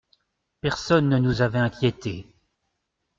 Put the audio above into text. Personne ne nous avait inquiétés.